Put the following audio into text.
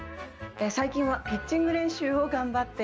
最近はピッチング練習を頑張っています。